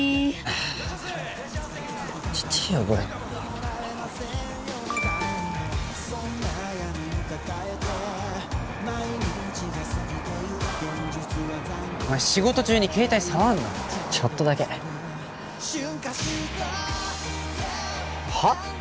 これお前仕事中に携帯触んなちょっとだけはっ？